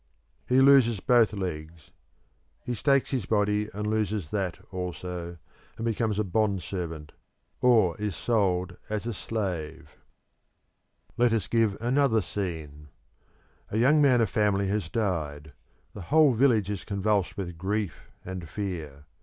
He loses both legs; he stakes his body and loses that also, and becomes a bond servant, or is sold as a slave. Let us give another scene. A young man of family has died; the whole village is convulsed with grief and fear.